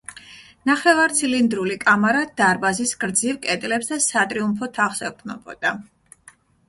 ნახევარცილინდრული კამარა დარბაზის გრძივ კედლებს და სატრიუმფო თაღს ეყრდნობოდა.